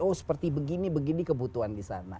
oh seperti begini begini kebutuhan di sana